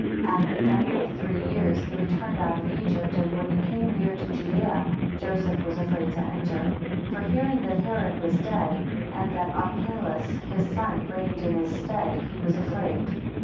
14 At the end of three years he returned out of Egypt, and when he came near to Judea, Joseph was afraid to enter; 15 For hearing that Herod was dead, and that Archelaus his son reigned in his stead, he was afraid.